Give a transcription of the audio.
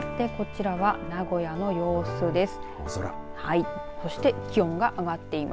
かわってこちらは名古屋の様子です。